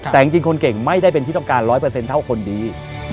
แต่จริงคนเก่งไม่ได้เป็นที่ต้องการ๑๐๐เท่าคนดี